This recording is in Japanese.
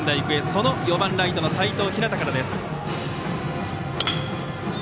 その４番ライトの齋藤陽から。